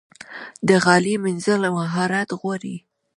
د غالۍ مینځل مهارت غواړي.